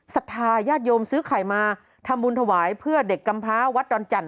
ศรัทธาญาติโยมซื้อไข่มาทำบุญถวายเพื่อเด็กกำพ้าวัดดอนจันท